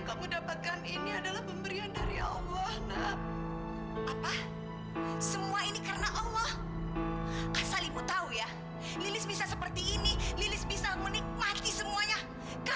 sampai jumpa di video selanjutnya